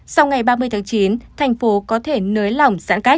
sau ngày ba mươi tháng chín thành phố có thể nới lỏng